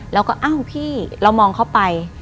แล้วก็อ้าวพี่เรามองเข้าไป